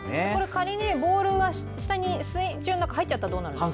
仮にボールが下に、水中の中に入っちゃったらどうなるんですか？